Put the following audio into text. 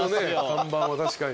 看板は確かに。